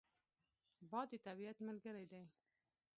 باد د طبیعت ملګری دی